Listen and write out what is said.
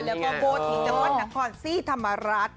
และก็โบสถ์ถึงตะวัดนังคลสิทธรรมาราช